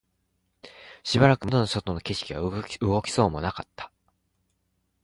しばらく窓の外の景色は動きそうもなかった